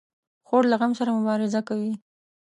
خور له غم سره مبارزه کوي.